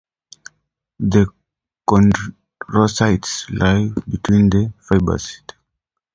The chondrocytes lie between the fibres.